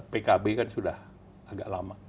pkb kan sudah agak lama